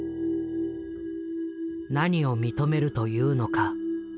「何を認めるというのか。